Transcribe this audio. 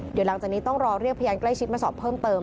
เดี๋ยวหลังจากนี้ต้องรอเรียกพยานใกล้ชิดมาสอบเพิ่มเติม